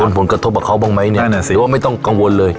ส่วนผลกระทบกับเขาบ้างไหมเนี่ยได้นะสิหรือว่าไม่ต้องกังวลเลย